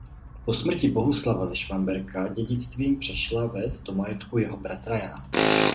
Po smrti Bohuslava ze Švamberka dědictvím přešla ves do majetku jeho bratra Jana.